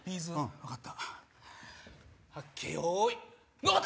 分かった。